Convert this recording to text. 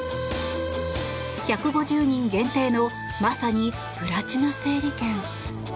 １５０人限定のまさにプラチナ整理券。